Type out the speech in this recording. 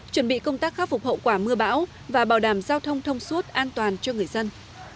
chuẩn bị công tác khắc phục hậu quả mưa bão và bảo đảm giao thông thông suốt an toàn cho người dân